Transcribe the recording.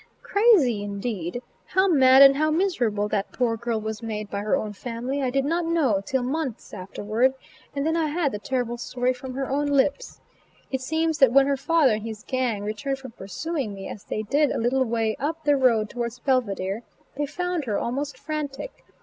Crazy indeed! How mad and how miserable that poor girl was made by her own family, I did not know till months afterward, and then I had the terrible story from her own lips. It seems that when her father and his gang returned from pursuing me, as they did a little way up the road towards Belvidere, they found her almost frantic.